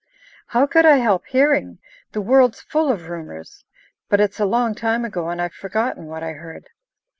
"How could I help hearing? The world's full of rumours. But it's a long time ago, and I've forgotten what I heard."